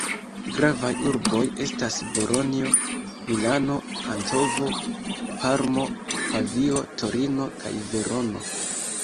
Gravaj urboj estas Bolonjo, Milano, Mantovo, Parmo, Pavio, Torino kaj Verono.